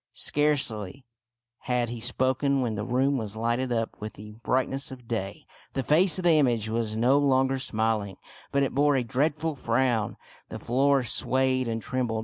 Scarcely had he spoken when the room was lighted up with the brightness of day. The face of the image was no longer smiling, but it bore a dreadful frown. The floor swayed and trembled.